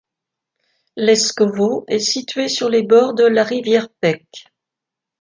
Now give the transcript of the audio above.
Leskovo est situé sur les bords de la rivière Pek.